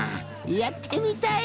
やってみたい！